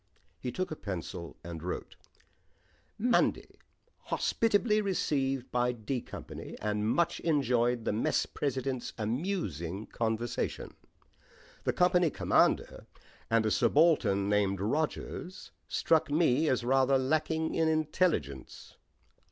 He took a pencil and wrote: "Monday Hospitably received by 'D' Company and much enjoyed the mess president's amusing conversation. The company commander and a subaltern named Rogers struck me as rather lacking in intelligence.